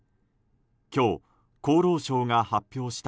今日、厚労省が発表した